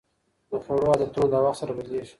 د خوړو عادتونه د وخت سره بدلېږي.